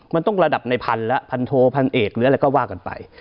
มันต้องระดับในพันแล้วพันโทพันเอกหรืออะไรก็ว่ากันไป